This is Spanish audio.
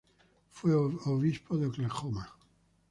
Fue obispo de Oklahoma.